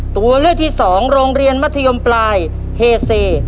ตัวเลือกที่สองโรงเรียนมัธยมปลายเฮเซ